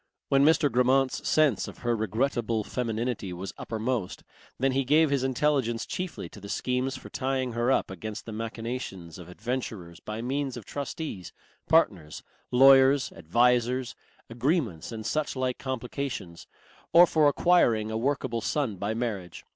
When Mr. Grammont's sense of her regrettable femininity was uppermost, then he gave his intelligence chiefly to schemes for tying her up against the machinations of adventurers by means of trustees, partners, lawyers, advisers, agreements and suchlike complications, or for acquiring a workable son by marriage.